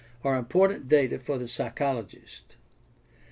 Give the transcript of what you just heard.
are important data for the psychologist.